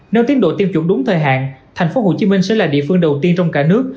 nếu tiến độ tiêm chủng đúng thời hạn thành phố hồ chí minh sẽ là địa phương đầu tiên trong cả nước